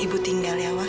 ibu tinggal ya wah